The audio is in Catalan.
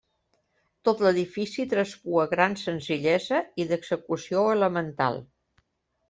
Tot l'edifici traspua gran senzillesa i d'execució elemental.